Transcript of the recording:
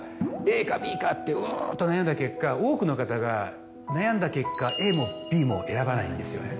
ＡかＢかって「うん」と悩んだ結果多くの方が悩んだ結果ＡもＢも選ばないんですよね。